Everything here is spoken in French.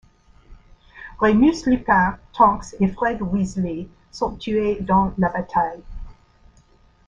Remus Lupin, Tonks et Fred Weasley sont tués dans la bataille.